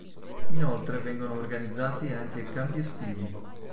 Inoltre vengono organizzati anche campi estivi.